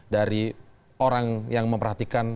dari orang yang memperhatikan